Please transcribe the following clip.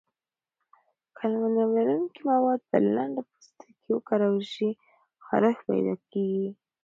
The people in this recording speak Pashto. که المونیم لرونکي مواد په لنده پوستکي وکارول شي، خارښت پیدا کېږي.